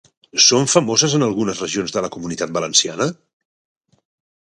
Són famoses en algunes regions de la Comunitat Valenciana?